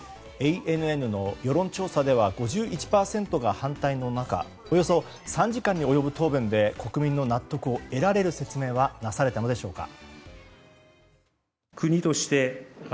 ＡＮＮの世論調査では５１％が反対の中およそ３時間に及ぶ答弁で国民の納得を得られる説明はなされたのでしょうか。